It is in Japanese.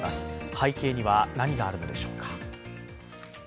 背景には何があるのでしょうか。